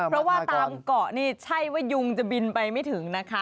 เพราะว่าตามเกาะนี่ใช่ว่ายุงจะบินไปไม่ถึงนะคะ